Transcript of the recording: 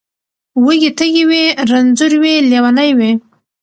وږی تږی وي رنځور وي لېونی وي